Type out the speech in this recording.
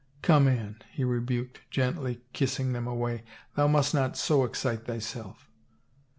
" Come, Anne," he rebuked gently, kissing them away. Thou must not so excite thyself."